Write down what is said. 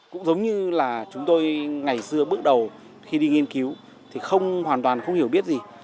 cũng giống như là chúng tôi ngày xưa bước đầu khi đi nghiên cứu thì không hoàn toàn không hiểu biết gì